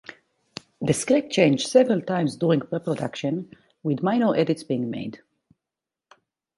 The script changed several times during pre-production, with minor edits being made.